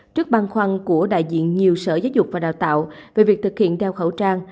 trước băn khoăn của đại diện nhiều sở giáo dục và đào tạo về việc thực hiện đeo khẩu trang